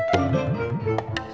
tidak itu kebencian